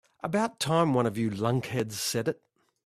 About time one of you lunkheads said it.